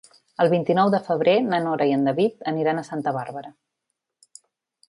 El vint-i-nou de febrer na Nora i en David aniran a Santa Bàrbara.